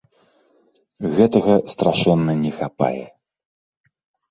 Гэтага страшэнна не хапае.